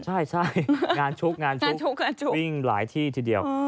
ใช่งานชุกวิ่งหลายที่ทีเดียว